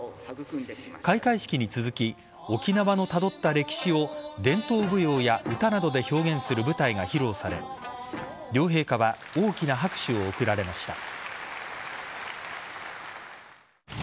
開会式に続き沖縄のたどった歴史を伝統舞踊や歌などで表現する舞台が披露され両陛下は大きな拍手を送られました。